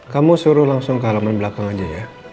kamu suruh langsung ke halaman belakang aja ya